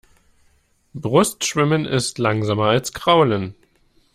Brustschwimmen ist langsamer als Kraulen.